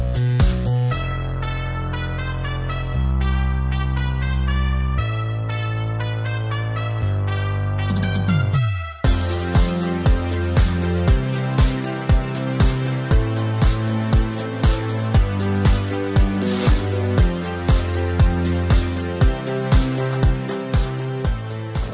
เพลง